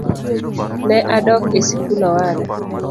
Ne adok e sikul owada